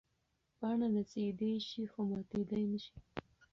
پاڼه نڅېدی شي خو ماتېدی نه شي.